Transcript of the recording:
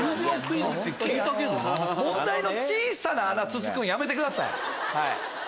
問題の小さな穴突っつくんやめてください。